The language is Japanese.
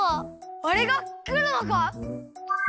あれがくるのか！？